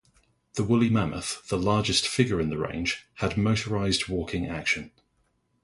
The Woolly Mammoth, the largest figure in the range, had motorized walking action.